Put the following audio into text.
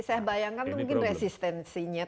saya bayangkan itu mungkin resistensinya